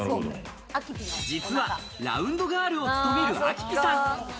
実はラウンドガールを務めるあきぴさん。